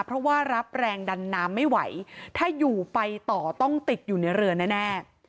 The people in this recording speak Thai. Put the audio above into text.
เพราะว่ารับแรงดันน้ำไม่ไหวถ้าอยู่ไปต่อต้องติดอยู่ในเรือแน่